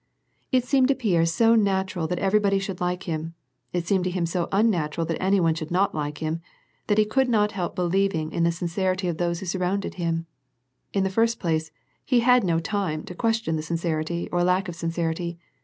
It seemed to Pierre so natural that everybody should like him, it seemed to him so unnatural that any one should not like him, that he could not help believing in the sincerity of those who surrounded him. In the first place, he had no time to question the sincerity or lack of sincerity.